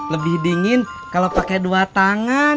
lebih dingin kalau pakai dua tangan